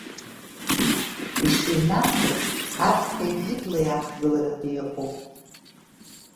Ишинаҭаз аԥхьаҩ ибла иаахгыларатәы иҟоуп…